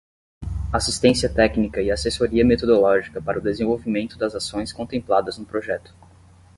Assistência técnica e assessoria metodológica para o desenvolvimento das ações contempladas no projeto.